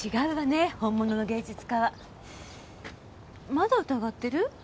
まだ疑ってる？